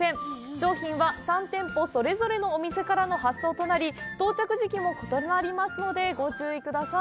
商品は、３店舗それぞれのお店からの発送となり到着時期も異なりますのでご注意ください。